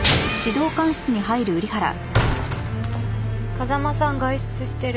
風間さん外出してる。